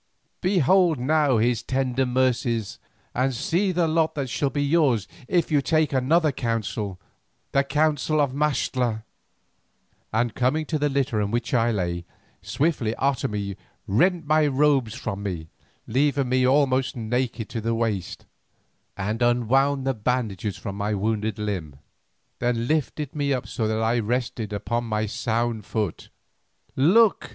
Behold now his tender mercies, and see the lot that shall be yours if you take another counsel, the counsel of Maxtla;" and coming to the litter on which I lay, swiftly Otomie rent my robes from me leaving me almost naked to the waist, and unwound the bandages from my wounded limb, then lifted me up so that I rested upon my sound foot. "Look!"